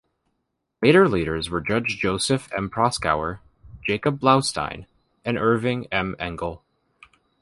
Later leaders were Judge Joseph M. Proskauer, Jacob Blaustein, and Irving M. Engel.